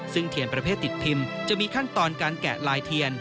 ซึ่งเทียนประเภทติดพิมพ์จะมีขั้นตอนการแกะลายเทียน